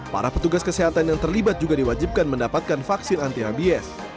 para petugas kesehatan yang terlibat juga diwajibkan mendapatkan vaksin anti rabies